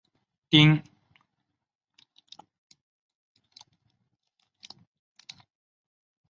丁福保之子。